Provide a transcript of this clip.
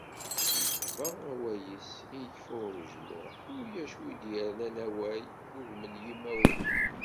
Ikfa awal-is, ikfa unejmuɛ, ulac win d-yernan awal, ggugmen yimawen.